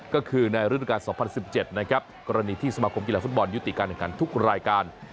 ก็คือในฤดูการ๒๐๑๗นะครับกรณีที่สมาคมกีฬาฟุตบอลยุติการแข่งขันทุกรายการ